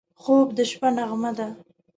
خوب د شپه نغمه ده